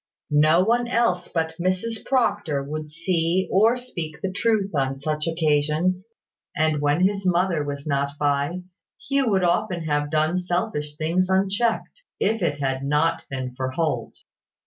No one else but Mrs Proctor would see or speak the truth on such occasions; and when his mother was not by, Hugh would often have done selfish things unchecked, if it had not been for Holt.